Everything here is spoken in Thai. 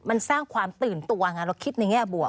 มันสร้างความตื่นตัวไงเราคิดในแง่บวก